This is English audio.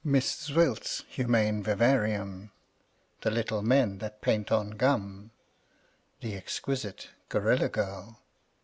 Miss Zwilt's Humane Vivarium The little men that paint on gum The exquisite Gorilla Girl